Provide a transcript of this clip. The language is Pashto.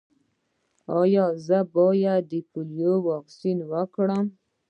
ایا زه باید د پولیو واکسین وکړم؟